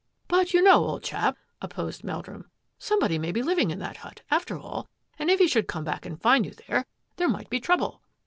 " But you know, old chap," opposed Meldrum, " somebody may be living in that hut, after all, and if he should come back and find you there, there might be trouble."